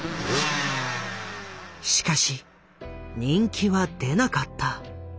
しかし人気は出なかった。